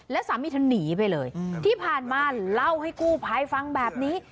แล้วสามีเธอหนีไปเลยที่ผ่านมาเล่าให้กู้ภัยฟังแบบนี้